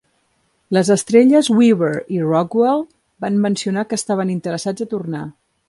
Les estrelles Weaver i Rockwell van mencionar que estaven interessats a tornar.